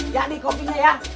jadi kopinya ya